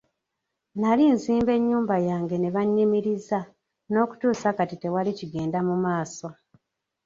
Nnali nzimba ennyumba yange ne banyimiriza n'okutuusa kati tewali kigenda mu maaso.